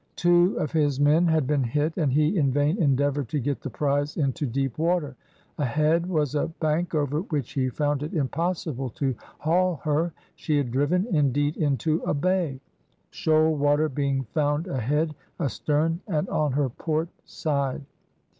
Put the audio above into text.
Two of his men had been hit and he in vain endeavoured to get the prize into deep water. Ahead was a bank over which he found it impossible to haul her; she had driven, indeed, into a bay, shoal water being found ahead, astern, and on her port side.